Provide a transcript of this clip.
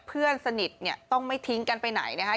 เพื่อนสนิทเนี่ยต้องไม่ทิ้งกันไปไหนนะคะ